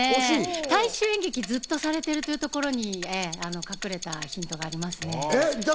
大衆演劇をずっとされているという所に隠れたヒントがあります。